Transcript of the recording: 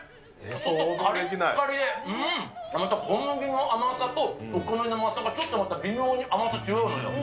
外かりっかりで、また小麦の甘さとお米の甘さがちょっとまた微妙に甘さ違うのよ。